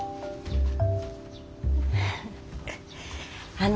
あの。